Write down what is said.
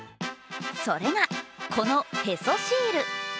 それが、このへそシール。